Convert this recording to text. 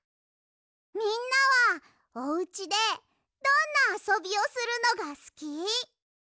みんなはおうちでどんなあそびをするのがすき？